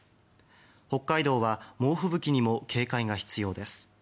北海道は猛吹雪にも警戒が必要です。